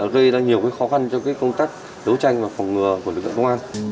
gây ra nhiều khó khăn cho công tác đấu tranh và phòng ngừa của lực lượng công an